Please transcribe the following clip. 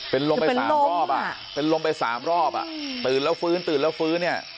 เป็นลมไป๓รอบอ่ะเป็นลมไปสามรอบอ่ะตื่นแล้วฟื้นตื่นแล้วฟื้นเนี่ย